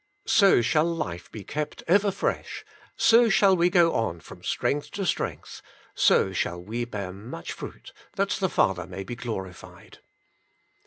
So shall life be kept ever fresh; so shall we go on from strength to strength, so shall we bear much fruit, that the Father may be glorified.